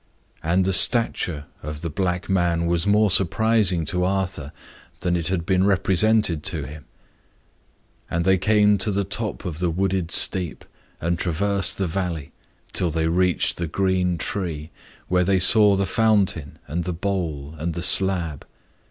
And the stature of the black man was more surprising to Arthur than it had been represented to him. And they came to the top of the wooded steep, and traversed the valley, till they reached the green tree, where they saw the fountain and the bowl and the slab.